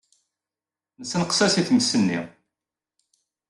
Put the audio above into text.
Nessenqes-as i tmes-nni.